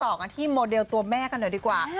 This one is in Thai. ต่อกันที่โมเดลตัวแม่กันหน่อยดีกว่า